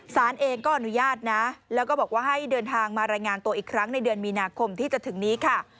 สารเองก็อนุญาตนะแล้วก็บอกว่าให้เดินทางมารายงานตัวอีกครั้งในเดือนมีนาคมที่จะถึงนี้ค่ะ